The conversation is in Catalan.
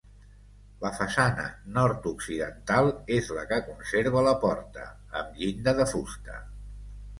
La façana nord-occidental és la que conserva la porta, amb llinda de fusta.